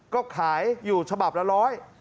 ก็ขายอยู่ฉบับละร้อย